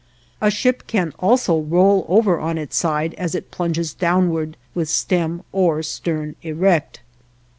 A ship can also roll over on its side as it plunges downwards with stem or stern erect.